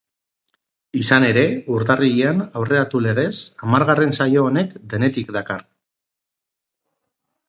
Izan ere, urtarrilean aurreratu legez, hamargarren saio honek denetik dakar.